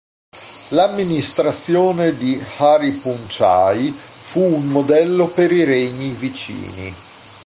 L'amministrazione di Hariphunchai fu un modello per i regni vicini.